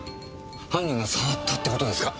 犯人が触ったって事ですか？